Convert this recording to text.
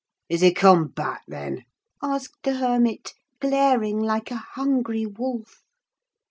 "Is he come back, then?" asked the hermit, glaring like a hungry wolf.